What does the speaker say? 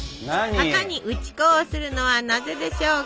型に打ち粉をするのはなぜでしょうか？